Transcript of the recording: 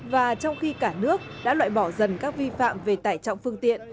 và trong khi cả nước đã loại bỏ dần các vi phạm về tải trọng phương tiện